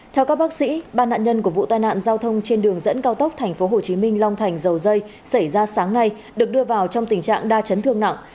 theo các bác sĩ ba nạn nhân của vụ tai nạn giao thông trên đường dẫn cao tốc tp hcm long thành dầu dây xảy ra sáng nay được đưa vào trong tình trạng đa chấn thương nặng